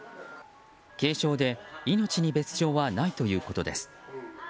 軽傷で命に別条はないということです。